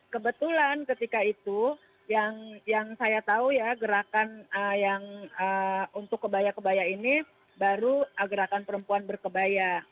kebetulan ketika itu yang saya tahu ya gerakan yang untuk kebaya kebaya ini baru gerakan perempuan berkebaya